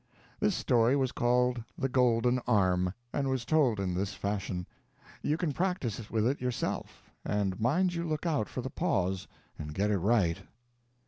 This story was called "The Golden Arm," and was told in this fashion. You can practice with it yourself and mind you look out for the pause and get it right.